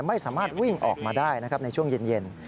ไม่สามารถวิ่งออกมาได้นะครับในช่วงเย็น